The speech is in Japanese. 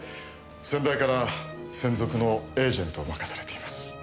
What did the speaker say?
先代から専属のエージェントを任されています。